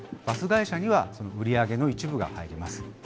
バス会社にはその売り上げの一部が入ります。